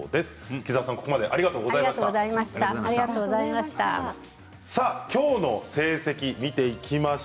鬼沢さん、ここまでありがとうございました。